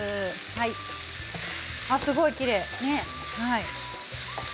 すごくきれい。